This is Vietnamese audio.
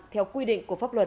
theo quy định của pháp luật